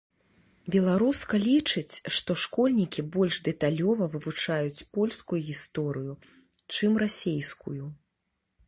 Беларуска лічыць, што школьнікі больш дэталёва вывучаюць польскую гісторыю, чым расійскую.